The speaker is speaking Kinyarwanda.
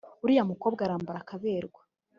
uriya mukobwa arambara akaberwa